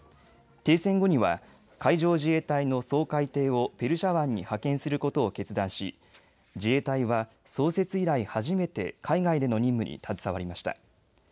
停戦後には海上自衛隊の掃海艇をペルシャ湾に派遣することを決断し自衛隊は創設以来、初めて海外での任務に携わりました。